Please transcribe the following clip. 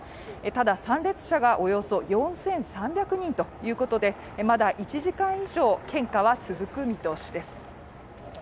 ただ、参列者がおよそ４３００人ということで、また１時間以上献花は続く見通しです。